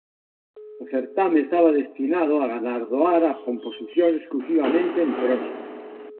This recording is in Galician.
O certame estaba destinado a galardoar a composicións exclusivamente en prosa.